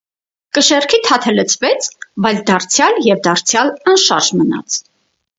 կշեռքի թաթը լցվեց, բայց դարձյալ և դարձյալ անշարժ մնաց: